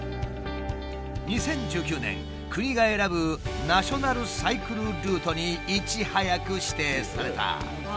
２０１９年国が選ぶナショナルサイクルルートにいち早く指定された。